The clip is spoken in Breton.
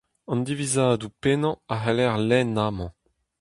An divizadoù pennañ a c'haller lenn amañ.